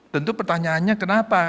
tentu pertanyaannya kenapa